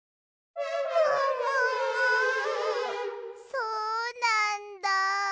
そうなんだ。